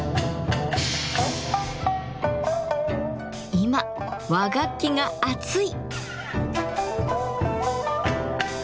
今和楽器が熱い！